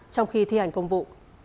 trong khi thi hành công vụ